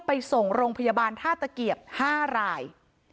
ไปส่งโรงพยาบาลท่าตะเกียบ๕ราย